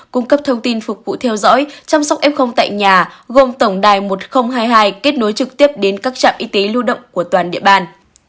cung cấp thông tin phục vụ theo dõi chăm sóc f tại nhà gồm tổng đài một nghìn hai mươi hai kết nối trực tiếp đến các trạm y tế lưu động của toàn địa bàn